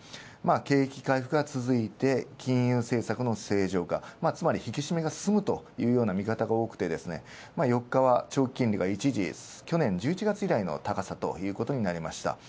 景気回復が続いて金融政策の正常化、つまり引き締めが続くというような見方があり、４日は長期金利が一時去年１１月以来の高さとなりました。